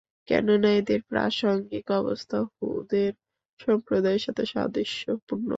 কেননা, এদের প্রাসংগিক অবস্থা হূদের সম্প্রদায়ের সাথে সাদৃশ্যপূর্ণ।